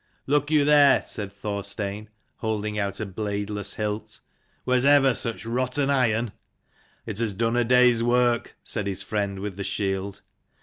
" Look you there," said Thorstein, holding out a bladeless hilt: "was ever such rotten iron?" " It has done a day's work," said his friend with the shield.